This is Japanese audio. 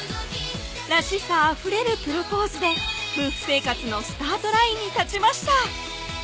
らしさあふれるプロポーズで夫婦生活のスタートラインに立ちました